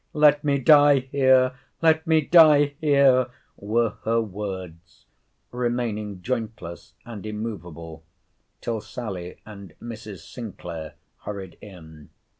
—Let me die here! let me die here! were her words; remaining jointless and immovable, till Sally and Mrs. Sinclair hurried in.